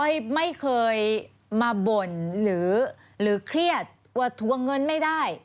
ไม่เคยมาบ่นหรือเครียดว่าทวงเงินไม่ได้